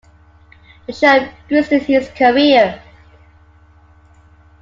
The show boosted his career.